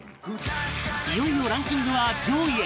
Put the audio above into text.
いよいよランキングは上位へ